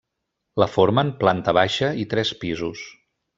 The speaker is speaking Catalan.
La formen planta baixa i tres pisos.